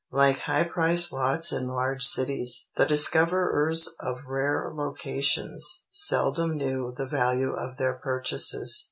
Like high priced lots in large cities, the discoverers of rare locations seldom knew the value of their purchases.